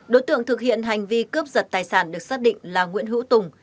đối tượng thực hiện hành vi cướp giật tài sản được xác định là nguyễn hữu tùng